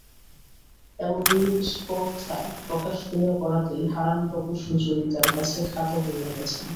এবং এইরূপ স্পর্ধা প্রকাশ হইয়া পড়াতেই হারানবাবু সুচরিতার কাছে খাটো হইয়া গেছেন।